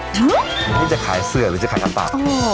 เหมือนที่จะขายเสือกหรือจะขายกระเป๋า